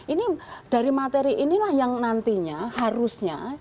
ini dari materi inilah yang nantinya harusnya